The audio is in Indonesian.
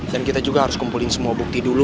dan kita juga harus kumpulin semua bukti dulu